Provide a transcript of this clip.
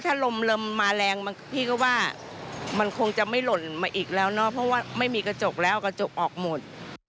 ทำให้หล่นมาอีกแล้วเนอะเพราะว่าไม่มีกระจกแล้วกระจกออกหมด